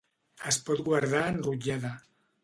Es pot guardar enrotllada.